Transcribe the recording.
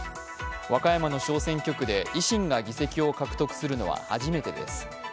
和歌山の小選挙区で維新が議席を獲得するのは初めてです。